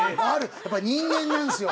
やっぱり人間なんですよ